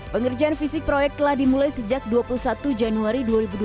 pengerjaan fisik proyek telah dimulai sejak dua puluh satu januari dua ribu dua puluh